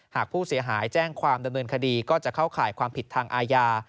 หากผู้เสียหายแจ้งความดำเนินคดีก็จะเข้าข่ายความผิดทางอาญา